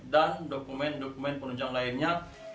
dokumen dokumen penunjang lainnya